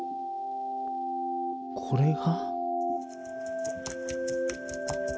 これが？